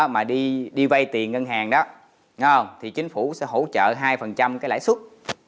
mà đi đi vay tiền ngân hàng đó ngon thì chính phủ sẽ hỗ trợ hai phần trăm cái lãi suất